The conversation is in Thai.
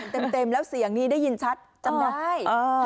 เต็มแล้วเสียงนี้ได้ยินชัดจำได้